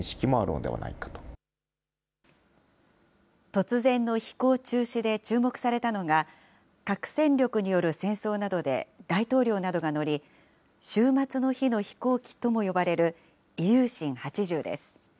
突然の飛行中止で注目されたのが、核戦力による戦争などで大統領などが乗り、終末の日の飛行機とも呼ばれるイリューシン８０です。